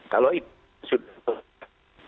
kalau itu sudah beropera